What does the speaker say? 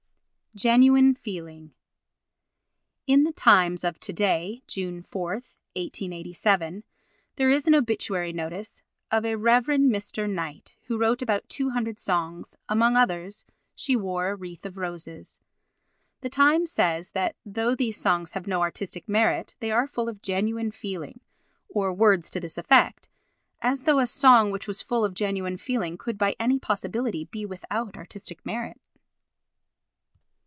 Genuine Feeling In the Times of to day, June 4, 1887, there is an obituary notice of a Rev. Mr. Knight who wrote about 200 songs, among others "She wore a wreath of roses." The Times says that, though these songs have no artistic merit, they are full of genuine feeling, or words to this effect; as though a song which was full of genuine feeling could by any possibility be without artistic merit.